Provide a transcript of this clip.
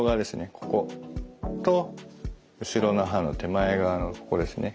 ここと後ろの歯の手前側のここですね。